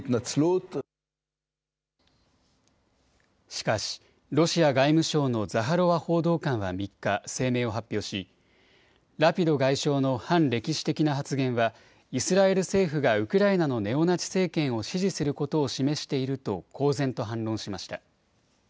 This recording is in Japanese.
しかし、ロシア外務省のザハロワ報道官は３日、声明を発表し、ラピド外相の反歴史的な発言は、イスラエル政府がウクライナのネオナチ政権を支持することを示していると公然と反論しました。